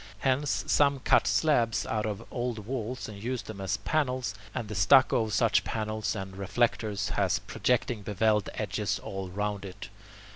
Hence, some cut slabs out of old walls and use them as panels, and the stucco of such panels and "reflectors" has projecting bevelled edges all round it.